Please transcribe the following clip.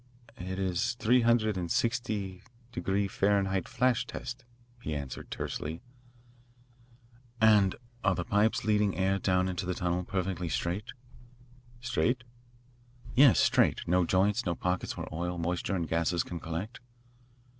"It is three hundred and sixty degree Fahrenheit flash test," he answered tersely. "And are the pipes leading air down into the tunnel perfectly straight?" "Straight? "Yes, straight no joints, no pockets where oil, moisture, and gases can collect."